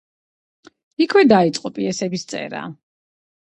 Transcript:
იქვე დაიწყო პიესების წერა.